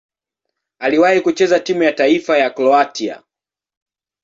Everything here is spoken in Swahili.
Aliwahi kucheza timu ya taifa ya Kroatia.